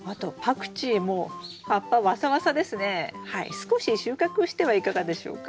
少し収穫してはいかがでしょうか？